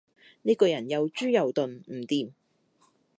呢個人又豬又鈍，唔掂